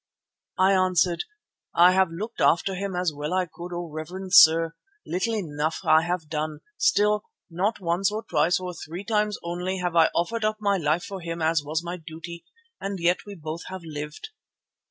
"I answered: 'I have looked after him as well as I could, O reverend sir. Little enough have I done; still, not once or twice or three times only have I offered up my life for him as was my duty, and yet we both have lived.